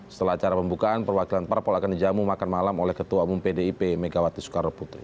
setelah acara pembukaan perwakilan parpol akan dijamu makan malam oleh ketua umum pdip megawati soekarno putri